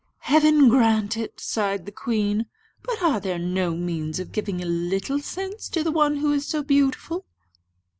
"Heaven grant it!" sighed the queen; "but are there no means of giving a little sense to the one who is so beautiful?"